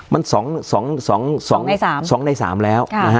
มัน๒ใน๓แล้ว